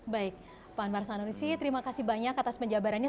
baik pak anwar sanurisi terima kasih banyak atas penjabarannya